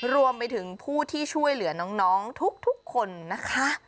รวมไปถึงผู้ที่ช่วยเหลือน้องทุกคนนะคะ